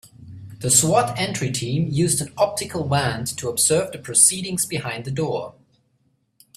The S.W.A.T. entry team used an optical wand to observe the proceedings behind the door.